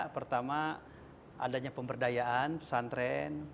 pertama adanya pemberdayaan pesantren